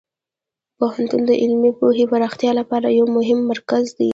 پوهنتون د علمي پوهې پراختیا لپاره یو مهم مرکز دی.